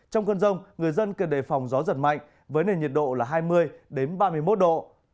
trong cơn rông người dân cần đề phòng gió giật mạnh với nền nhiệt độ là hai mươi ba mươi một độ